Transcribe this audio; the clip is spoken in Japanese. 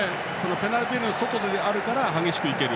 ペナルティーエリアの外だから激しく行ける。